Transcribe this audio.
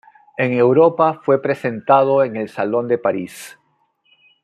En Europa, fue presentado en el Salón de París.